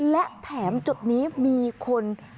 และแถมจุดนี้มีคน